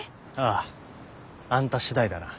あああんた次第だな。